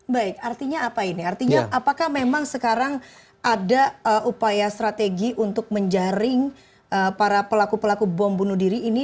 baik artinya apa ini artinya apakah memang sekarang ada upaya strategi untuk menjaring para pelaku pelaku bom bunuh diri ini